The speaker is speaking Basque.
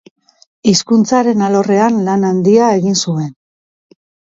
Hizkuntzaren alorrean, lan handia egin zuen.